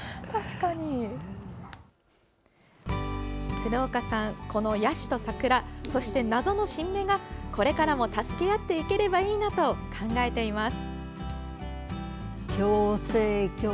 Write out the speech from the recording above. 鶴岡さん、このヤシと桜そして謎の新芽がこれからも助け合っていければいいなと考えています。